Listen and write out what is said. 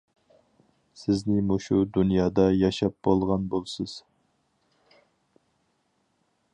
سىزنى مۇشۇ دۇنيادا ياشاپ بولغان بولىسىز.